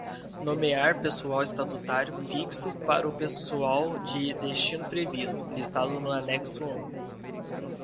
Nomear pessoal estatutário fixo para o pessoal de destino previsto, listado no Anexo I.